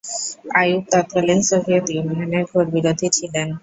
আইয়ুব তৎকালীন সোভিয়েত ইউনিয়নের ঘোর বিরোধী ছিলেন।